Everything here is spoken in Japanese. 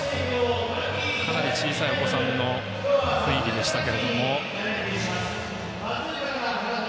かなり小さいお子さんの雰囲気でしたけども。